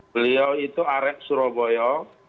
beliau itu arek suroboyo